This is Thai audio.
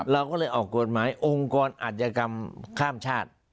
เราก็เลยออกกฎหมายองค์กรอัธยกรรมข้ามชาติ